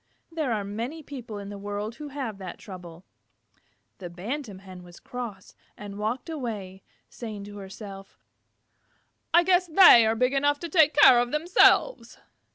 There are many people in the world who have that trouble. The Bantam Hen was cross, and walked away, saying to herself, "I guess they are big enough to take care of themselves."